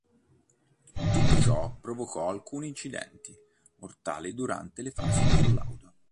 Tutto ciò provocò alcuni incidenti mortali durante le fasi di collaudo.